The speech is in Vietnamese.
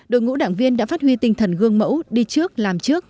đội ngũ đảng viên đã phát huy tinh thần gương mẫu đi trước làm trước